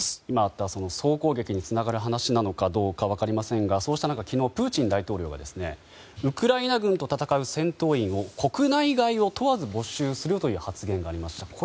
今あった総攻撃につながる話なのかは分かりませんがそうした中、昨日プーチン大統領がウクライナ軍と戦う戦闘員を国内外を問わず募集するという発言がありました。